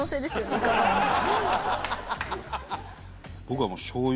僕はもう。